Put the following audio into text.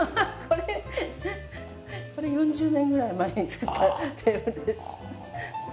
これこれ４０年ぐらい前に作ったテーブルです。